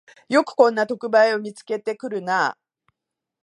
よくこんな特売を見つけてくるなあ